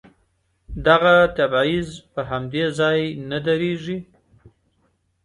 دغه تبعيض په همدې ځای نه درېږي.